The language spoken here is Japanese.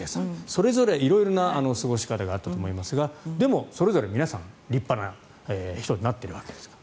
それぞれ色々な過ごし方があったと思いますがでも、それぞれ皆さん立派な人になっているわけですから。